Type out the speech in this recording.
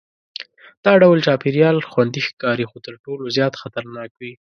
دا ډول چاپېریال خوندي ښکاري خو تر ټولو زیات خطرناک وي.